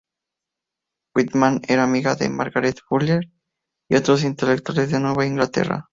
Whitman era amiga de Margaret Fuller y otros intelectuales de Nueva Inglaterra.